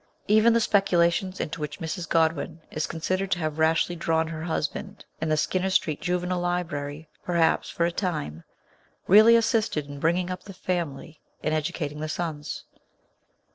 Even the speculations into which Mrs. Godwin is considered to have rashly drawn her husband in the Skinner Street Juvenile Library, per haps, for a time, really assisted in bringing up the family and educating the sons.